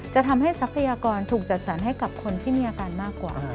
จะทำให้ทรัพยากรถูกจัดสรรให้กับคนที่มีอาการมากกว่า